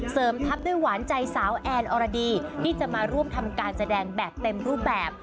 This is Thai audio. ทับด้วยหวานใจสาวแอนอรดีที่จะมาร่วมทำการแสดงแบบเต็มรูปแบบ